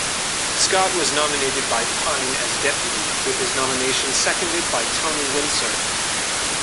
Scott was nominated by Pyne as Deputy; with his nomination seconded by Tony Windsor.